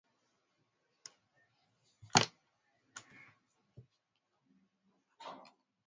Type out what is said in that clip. Alimpimia mteja wake vijiko vidogo vya chai vitano vilivyojaa akamfungia na kumpa